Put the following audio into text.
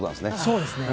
そうですね。